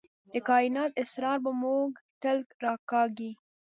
د کائنات اسرار به موږ تل راکاږي.